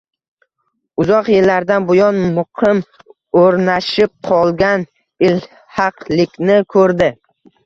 Uzoq yillardan buyon muqim oʻrnashib qolgan ilhaqlikni koʻrdi